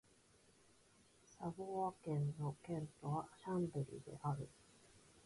サヴォワ県の県都はシャンベリである